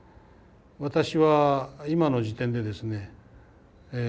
私は今の時点でですね